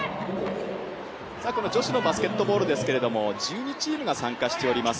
女子のバスケットボールですけども、１２チームが参加しております。